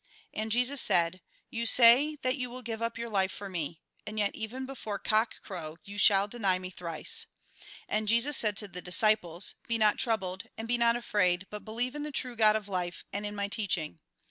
And Jesus said :" You say that you will give up your life for me, and yet even before cock crow you shall deny me thrice." And Jesus said to the dis ciples :" Be not troubled and be not afraid, but believe in the true God of life, and in my teaching."